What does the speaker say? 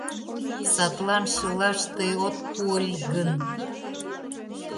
Садлан шылаш тый от пу ыль гын